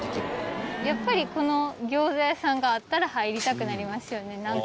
やっぱりこの餃子屋さんがあったら入りたくなりますよねなんか。